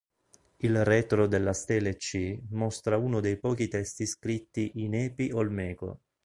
Il retro della stele C mostra uno dei pochi testi scritti in Epi-Olmeco.